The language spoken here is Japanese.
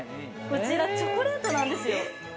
◆こちらチョコレートなんですよ。